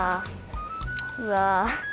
うわ。